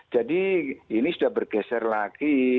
jadi ini sudah bergeser lagi